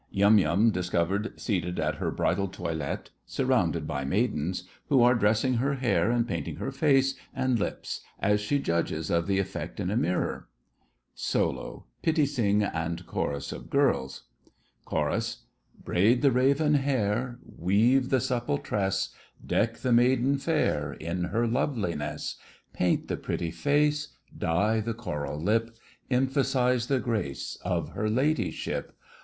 Yum Yum discovered seated at her bridal toilet, surrounded by maidens, who are dressing her hair and painting her face and lips, as she judges of the effect in a mirror. SOLO—PITTI SING and CHORUS OF GIRLS. CHORUS. Braid the raven hair— Weave the supple tress— Deck the maiden fair In her loveliness— Paint the pretty face— Dye the coral lip— Emphasize the grace Of her ladyship!